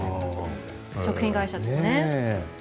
食品会社ですね。